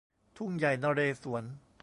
ทุ่งใหญ่นเรศวร